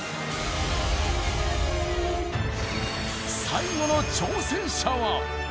最後の挑戦者は。